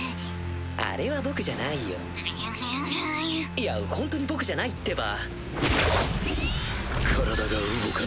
いやほんとに僕じゃないってば。